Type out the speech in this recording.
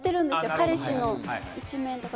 彼氏の一面とか。